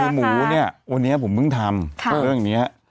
คือหมูเนี่ยวันนี้ผมเพิ่งทำเรื่องนี้